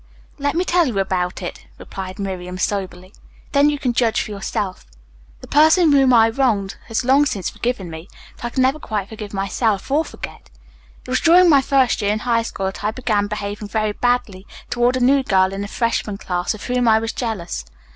"Let me tell you about it," replied Miriam soberly. "Then you can judge for yourself. The person whom I wronged has long since forgiven me, but I can never quite forgive myself or forget. It was during my first year in high school that I began behaving very badly toward a new girl in the freshman class, of whom I was jealous.